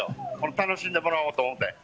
楽しんでもらおうと思って。